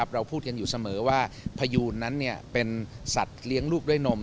เราพูดกันอยู่เสมอว่าพยูนนั้นเป็นสัตว์เลี้ยงลูกด้วยนม